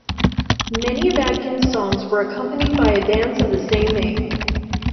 Many of Adkins' songs were accompanied by a dance of the same name.